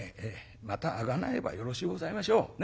またあがなえばよろしゅうございましょう。